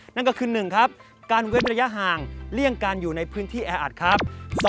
นั่นก็คือ๑ครับการเว้นระยะห่างเลี่ยงการอยู่ในพื้นที่แออัดครับ